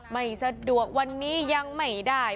ไม่สะดวกวันนี้ยังไม่ได้